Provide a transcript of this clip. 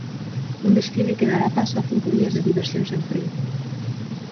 Un desfile que dará paso a cinco días de diversión sen freo.